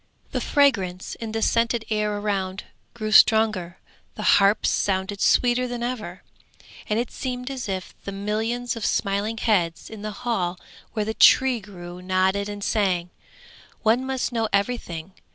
The fragrance in the scented air around grew stronger, the harps sounded sweeter than ever, and it seemed as if the millions of smiling heads in the hall where the Tree grew nodded and sang, 'One must know everything.